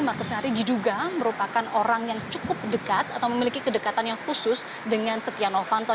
markus hari diduga merupakan orang yang cukup dekat atau memiliki kedekatan yang khusus dengan setia novanto